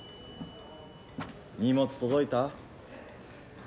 荷物届いた？